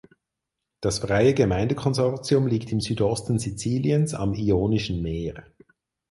Das Freie Gemeindekonsortium liegt im Südosten Siziliens am Ionischen Meer.